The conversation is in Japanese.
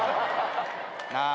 なあ。